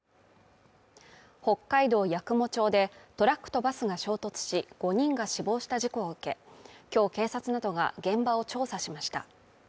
北海道八雲町でトラックとバスが衝突し、５人が死亡した事故を受け、今日警察などが現場を調査しました。